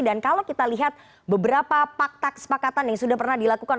dan kalau kita lihat beberapa pakta kesepakatan yang sudah pernah dilakukan